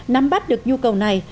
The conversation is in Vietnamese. nắm bắt được nhu cầu này